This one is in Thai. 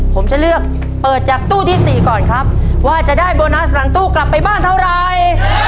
ผมจะเลือกเปิดจากตู้ที่๔ก่อนครับว่าจะได้โบนัสหลังตู้กลับไปบ้านเท่าไร